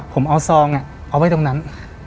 ผมเอาซองเอาไว้ตรงนั้น